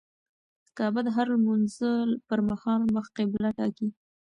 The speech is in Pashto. کعبه د هر لمونځه پر مهال مخ قبله ټاکي.